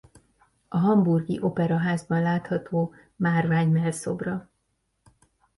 A hamburgi operaházban látható márvány mellszobra.